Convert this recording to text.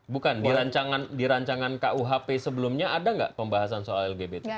bukan di rancangan kuhp sebelumnya ada nggak pembahasan soal lgbt